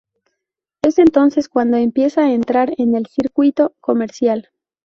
Es entonces cuando empieza a entrar en el circuito comercial.